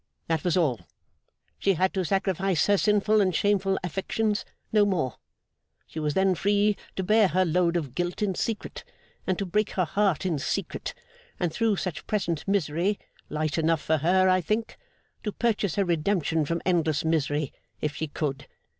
That was all. She had to sacrifice her sinful and shameful affections; no more. She was then free to bear her load of guilt in secret, and to break her heart in secret; and through such present misery (light enough for her, I think!) to purchase her redemption from endless misery, if she could.